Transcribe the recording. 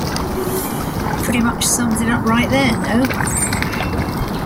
Pretty much sums it up right there, no?